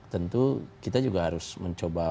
tentu kita juga harus mencoba